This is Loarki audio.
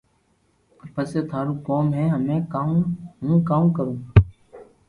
پسي ٿارو ڪوم ھي ھمي ھون ڪاو ڪرو